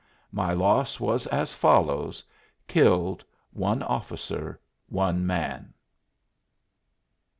My loss was as follows: Killed, one officer, one man."